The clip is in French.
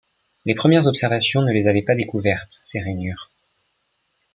Les premières observations ne les avaient pas découvertes, ces rainures.